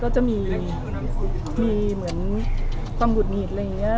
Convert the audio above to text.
ก็จะมีเหมือนความหุดหงิดอะไรอย่างนี้